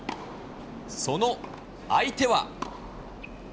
その相手は。